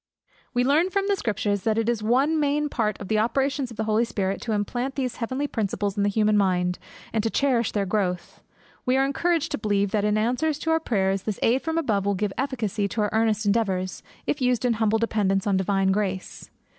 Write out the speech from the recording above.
We learn from the Scriptures that it is one main part of the operations of the Holy Spirit, to implant these heavenly principles in the human mind, and to cherish their growth. We are encouraged to believe that in answer to our prayers, this aid from above will give efficacy to our earnest endeavours, if used in humble dependence on divine grace.